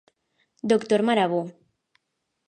Doctor Marabú.